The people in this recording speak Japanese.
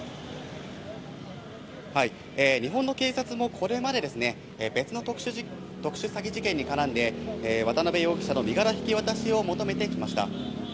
日本の警察もこれまでですね、別の特殊詐欺事件に絡んで、渡辺容疑者の身柄引き渡しを求めてきました。